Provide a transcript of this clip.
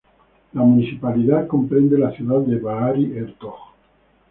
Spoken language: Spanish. La municipalidad comprende la ciudad de Baarle-Hertog.